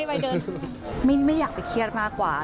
แพร่ไปจะมีเฉียดเลยค่ะพี่